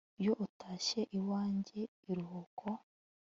iyo utashye iwanjye iruhuko